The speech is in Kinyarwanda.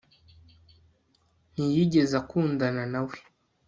Ntiyigeze akundana na we